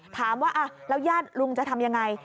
ถามว่าแล้วญาติลุงจะทำยังไง